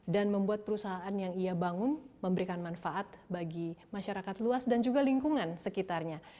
dan membuat perusahaan yang ia bangun memberikan manfaat bagi masyarakat luas dan juga lingkungan sekitarnya